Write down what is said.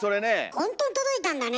本当に届いたんだね。